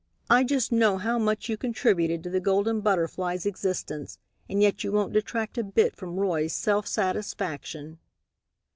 I just know how much you contributed to the Golden Butterfly's existence, and yet you won't detract a bit from Roy's self satisfaction."